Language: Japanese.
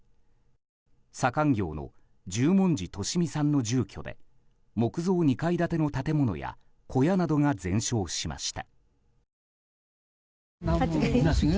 左官業の十文字利美さんの住居で木造２階建ての建物や小屋などが全焼しました。